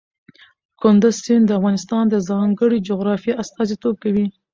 کندز سیند د افغانستان د ځانګړي جغرافیه استازیتوب کوي.